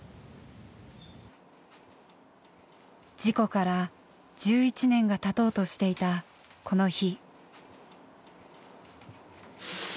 事故から１１年がたとうとしていたこの日。